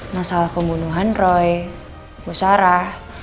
masalah pembunuhan roy bu sarah